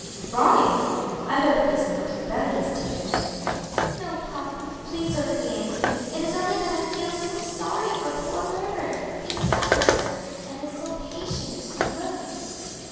crying! I hope these are not rebellious tears?" "No, papa; please don't be angry. It is only that I feel so sorry for poor Herbert; he suffers so, and is so patient and good."